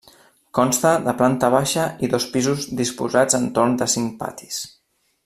Consta de planta baixa i dos pisos disposats entorn de cinc patis.